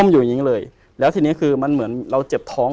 อยู่อย่างงี้เลยแล้วทีนี้คือมันเหมือนเราเจ็บท้อง